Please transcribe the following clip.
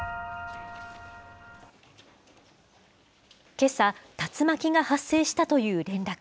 けさ、竜巻が発生したという連絡。